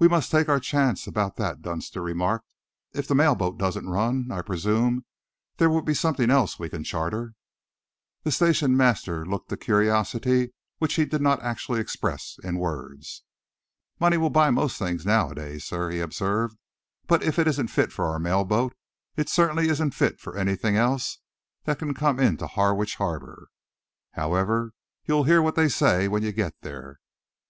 "We must take our chance about that," Dunster remarked. "If the mail boat doesn't run, I presume there will be something else we can charter." The station master looked the curiosity which he did not actually express in words. "Money will buy most things, nowadays, sir," he observed, "but if it isn't fit for our mail boat, it certainly isn't fit for anything else that can come into Harwich Harbour. However, you'll hear what they say when you get there."